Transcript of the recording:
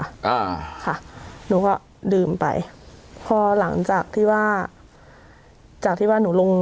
อ่าค่ะหนูก็ดื่มไปพอหลังจากที่ว่าจากที่ว่าหนูลง